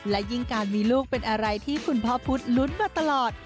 และยิ่งการมีลูกเป็นอะไรที่คุณพ่อพุทธลุ้นมาตลอด